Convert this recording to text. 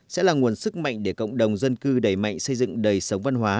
sẽ là nguồn sức mạnh để cộng đồng dân cư đầy mạnh xây dựng đầy sống văn hóa